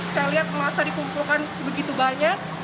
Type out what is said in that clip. saya lihat masa dikumpulkan sebegitu banyak